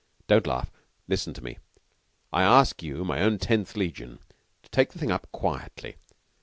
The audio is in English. Don't laugh. Listen to me. I ask you my own Tenth Legion to take the thing up quietly.